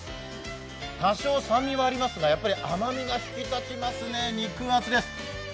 多少、酸味はありますが、やはり甘みが引き立ちますね、肉厚です。